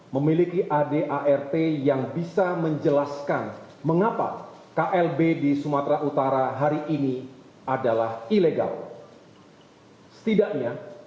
memiliki ad art yang bisa menjelaskan mengapa klb di sumatera utara hari ini tidak berdasar pada hukum partai yang sah